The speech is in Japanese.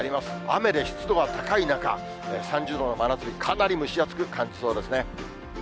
雨で湿度が高い中、３０度の真夏日、かなり蒸し暑く感じそうですね。